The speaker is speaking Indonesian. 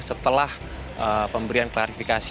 setelah pemberian klarifikasi